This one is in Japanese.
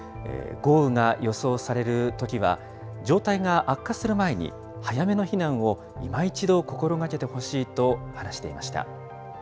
豪雨が予想されるときは、状態が悪化する前に、早めの避難をいま一度、心がけてほしいと話していました。